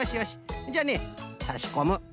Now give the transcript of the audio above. じゃあねさしこむ。